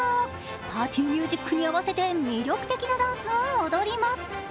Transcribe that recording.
パーティーミュージックに合わせて魅力的なダンスを踊ります。